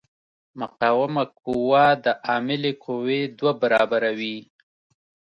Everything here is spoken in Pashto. مقاومه قوه د عاملې قوې دوه برابره وي.